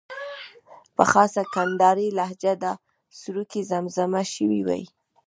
په خاصه کندارۍ لهجه دا سروکی زمزمه شوی وای.